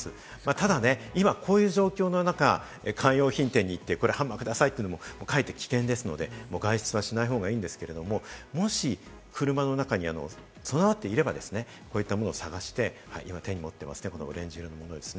ただね、今こういう状況の中、カー用品店に行ってハンマーくださいというのもかえって危険ですので、外出はしない方がいいんですけれども、もし車の中に備わっていれば、こういったものを探して、手に持っています、オレンジ色のものです。